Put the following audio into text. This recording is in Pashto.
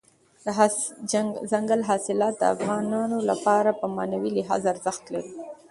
دځنګل حاصلات د افغانانو لپاره په معنوي لحاظ ارزښت لري.